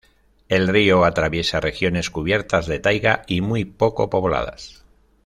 El río atraviesa regiones cubiertas de taiga y muy poco pobladas.